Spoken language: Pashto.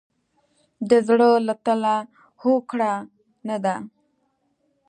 د زړه له تله هوکړه نه ده.